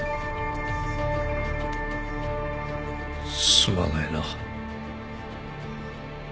すまないな。